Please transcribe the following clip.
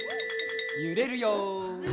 ゆれるよ。